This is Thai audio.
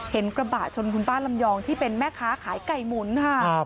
กระบะชนคุณป้าลำยองที่เป็นแม่ค้าขายไก่หมุนค่ะ